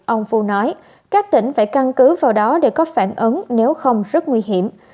ông phu nói các tỉnh phải căn cứ vào đó để có phản ứng nếu không rất nguy hiểm